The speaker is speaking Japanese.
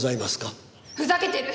ふざけてる！